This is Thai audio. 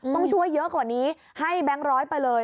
ต้องช่วยเยอะกว่านี้ให้แบงค์ร้อยไปเลย